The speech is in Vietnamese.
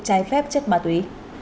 trái phép chất ma túy